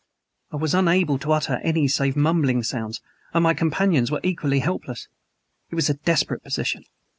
I was unable to utter any save mumbling sounds, and my companions were equally helpless. It was a desperate position.